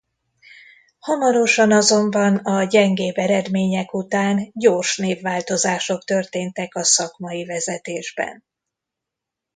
Hamarosan azonban a gyengébb eredmények után gyors névváltozások történtek a szakmai vezetésben.